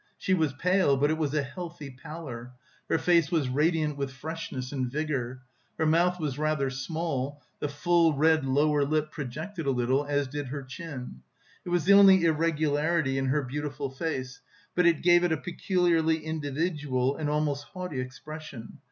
She was pale, but it was a healthy pallor; her face was radiant with freshness and vigour. Her mouth was rather small; the full red lower lip projected a little as did her chin; it was the only irregularity in her beautiful face, but it gave it a peculiarly individual and almost haughty expression.